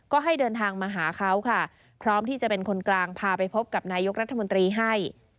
ก็ให้เดินทางมาหาเขาค่ะพร้อมที่จะเป็นคนกลางพาไปพบกับนายกรัฐมนตรีให้